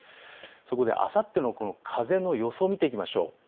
あさっての風の予想を見ていきましょう。